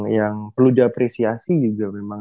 yang perlu diapresiasi juga memang